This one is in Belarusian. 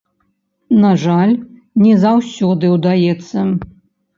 На жаль, не заўсёды ўдаецца.